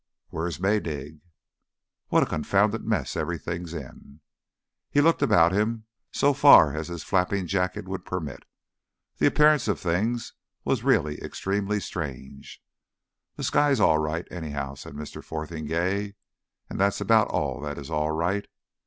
"Where's Maydig? "What a confounded mess everything's in!" He looked about him so far as his flapping jacket would permit. The appearance of things was really extremely strange. "The sky's all right anyhow," said Mr. Fotheringay. "And that's about all that is all right.